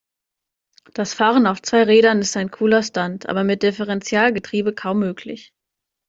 Das Fahren auf zwei Rädern ist ein cooler Stunt, aber mit Differentialgetriebe kaum möglich.